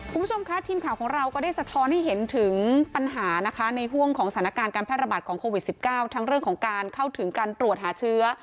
คุณผู้ชมคะทีมข่าวของเราก็ได้สะท้อนให้เห็นถึงปัญหานะคะในห่วงของสถานการณ์การแพร่ระบาดของโควิด๑๙ทั้งเรื่องของการเข้าถึงการตรวจหาเชื้อ